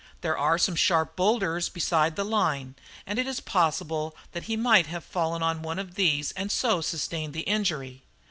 There are some sharp boulders beside the line, and it was possible that he might have fallen on one of these and so sustained the injury.